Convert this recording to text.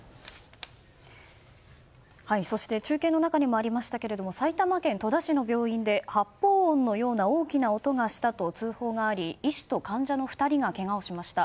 そして中継の中にもありましたけれども埼玉県戸田市の病院で発砲音のような大きな音がしたと通報があり医師と患者の２人がけがをしました。